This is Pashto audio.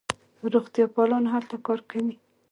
روغتیاپالان هلته کار کوي.